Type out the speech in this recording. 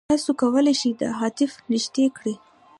تاسو کولای شئ دا هدف نږدې کړئ.